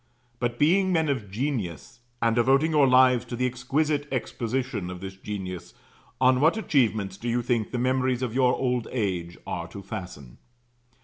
But, being men of genius, and devoting your lives to the exquisite exposition of this genius, on what achievements do you think the memories of your old age are to fasten?